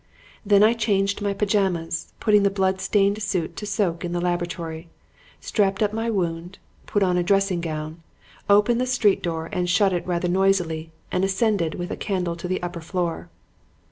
Then I changed my pajamas, putting the blood stained suit to soak in the laboratory, strapped up my wound, put on a dressing gown, opened the street door and shut it rather noisily and ascended with a candle to the upper floor.